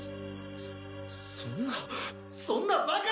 そそんなそんなバカな！